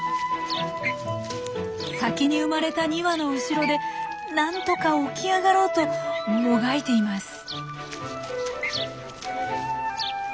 先に生まれた２羽の後ろでなんとか起き上がろうともがいています。